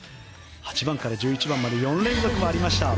８番から１１番まで４連続もありました。